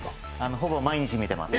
ほぼ毎日見てます。